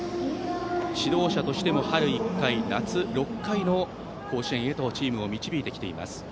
指導者としても、春１回夏６回の甲子園へとチームを導いてきています。